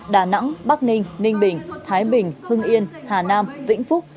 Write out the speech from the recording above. đà nẵng bắc ninh ninh bình thái bình hưng yên hà nam vĩnh phúc